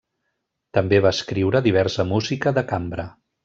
També va escriure diversa música de cambra.